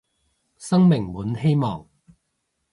生命滿希望